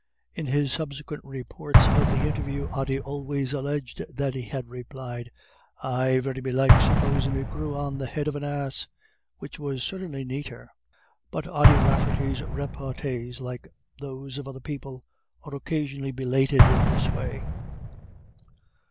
In his subsequent reports of the interview, Ody always alleged that he had replied: "Aye, very belike, supposin' it grew on the head of an ass," which was certainly neater. But Ody Rafferty's repartees, like those of other people, are occasionally belated in this way.